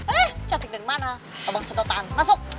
eh cantik dari mana abang sedotan masuk